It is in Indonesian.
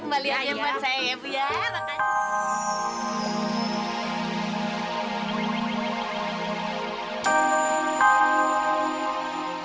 besok besok belajar sini lagi jangan tempat lain ya